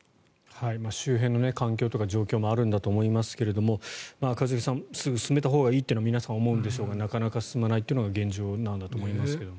周辺の環境とか状況もあるんだと思いますが一茂さんすぐ進めたほうがいいというのは皆さん思うんでしょうがなかなか進まないというのが現状なんだと思いますが。